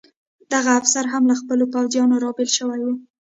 دغه افسر هم له خپلو پوځیانو را بېل شوی و.